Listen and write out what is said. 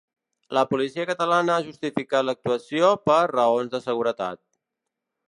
La policia catalana ha justificat l’actuació per ‘raons de seguretat’.